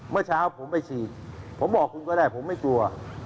เมื่อเช้าผมไปฉีดผมบอกคุณก็ได้ผมไม่กลัว